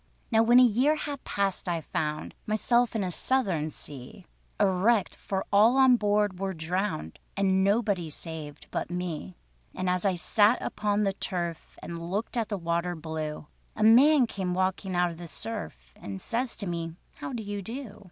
Now when a year had passed I found Myself in a Southern sea, A wrecked; for all on board were drowned, And nobody saved but me. And as I sat upon the turf, And looked at the water blue, A man came walking out of the surf, And says to me: "How do you do?